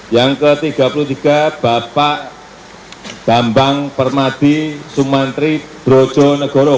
yang ke tiga puluh tiga bapak bambang permadi sumantri brojonegoro